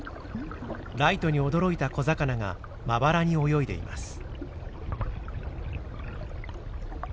ライトに驚いた小魚がまばらに泳いでいます。